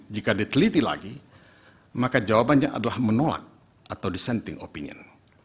jika diteliti lagi maka jawabannya adalah menolak atau dissenting opinion